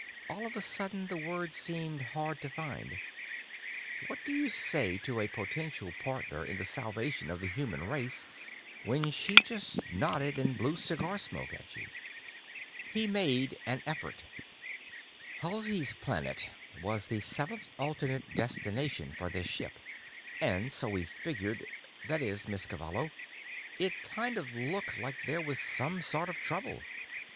All of a sudden the words seemed hard to find. What did you say to a potential partner in the salvation of the human race when she just nodded and blew cigar smoke at you? He made an effort. "Halsey's Planet was the seventh alternate destination for this ship, and so we figured——That is, Miss Cavallo, it kind of looked like there was some sort of trouble.